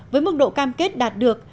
với mức độ cam kết đạt được